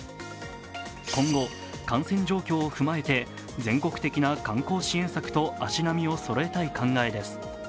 今後、感染状況を踏まえて全国的な観光支援策と足並みをそろえたい考えです。